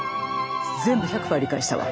全部１００％理解したわ。